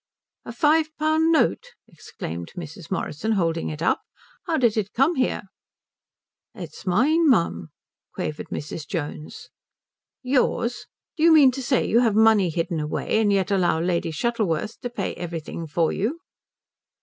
"A five pound note?" exclaimed Mrs. Morrison, holding it up. "How did it come here?" "It's mine, mum," quavered Mrs. Jones. "Yours? Do you mean to say you have money hidden away and yet allow Lady Shuttleworth to pay everything for you?"